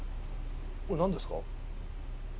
これ何ですか？